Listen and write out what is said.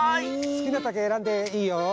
すきなたけえらんでいいよ。